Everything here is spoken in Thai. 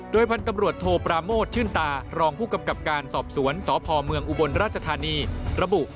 พันธุ์ตำรวจโทปราโมทชื่นตารองผู้กำกับการสอบสวนสพเมืองอุบลราชธานีระบุ